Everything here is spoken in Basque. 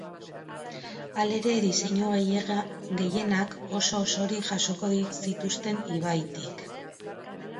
Hala ere, diseinu gehienak oso-osorik jasoko zituzten ibaitik.